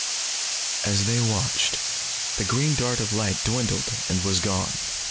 As they watched, the green dart of light dwindled and was gone.